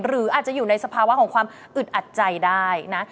หรืออาจจะอยู่ในสภาวะของความอึดอัดใจได้นะ